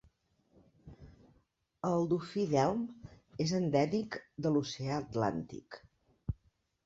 El dofí d'elm és endèmic de l'oceà Atlàntic.